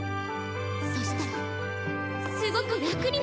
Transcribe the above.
そしたらすごく楽になれた。